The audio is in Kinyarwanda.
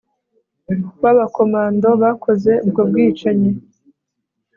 w'aba komando bakoze ubwo bwicanyi